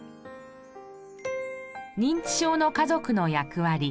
認知症の家族の役割。